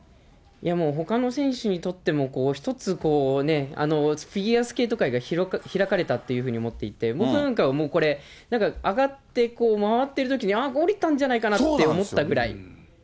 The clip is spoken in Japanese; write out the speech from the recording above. いやもう、ほかの選手にとっても、一つ、フィギュアスケート界が開かれたというふうに思っていて、僕なんかはもうこれ、なんか上がってこう、回ってるときに、降りたんじゃないかな？って思ったくらい。